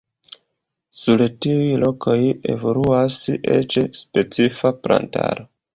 Sur tiuj lokoj evoluas eĉ specifa plantaro.